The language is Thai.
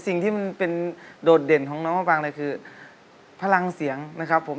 สิ่งที่มันเป็นโดดเด่นของน้องมะปางเลยคือพลังเสียงนะครับผม